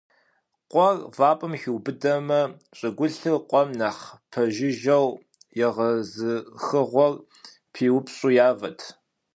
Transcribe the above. Къуэр вапӀэм хиубыдэмэ, щӀыгулъыр къуэм нэхъ пэжыжьэу, егъэзыхыгъуэр зэпиупщӀу явэ.